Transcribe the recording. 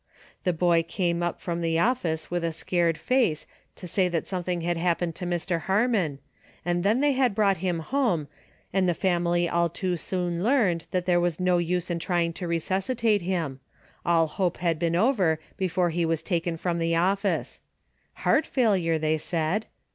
The boy came up from the office with a scared face to say that some thing had happened to Mr. Harmon, and then they had brought him home and the family all too soon learned that there was no use in trying to resuscitate him, — all hope had been over before he was taken from the office. Heart failure, they said!